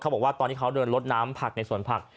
บอกว่าตอนที่เขาเดินลดน้ำผักในสวนผัก